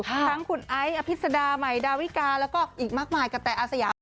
ทั้งคุณไอ้อภิษดาใหม่ดาวิกาแล้วก็อีกมากมายกระแต่อาสยาม